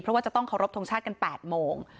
เพราะว่าจะต้องเคารพทงชาติกัน๘โมง